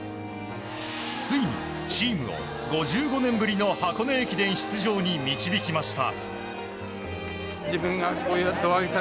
ついにチームを５５年ぶりに箱根駅伝出場に導きました。